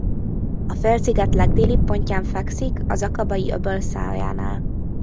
A félsziget legdélibb pontján fekszik az Akabai-öböl szájánál.